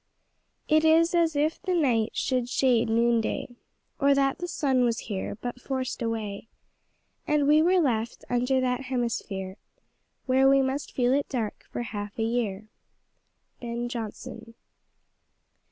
"It is as if the night should shade noonday, Or that the sun was here, but forced away; And we were left, under that hemisphere, Where we must feel it dark for half a year." BEN. JOHNSON.